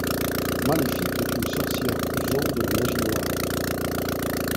Maléfique est une sorcière usant de la magie noire.